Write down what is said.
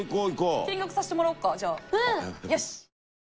見学させてもらおっかじゃあ。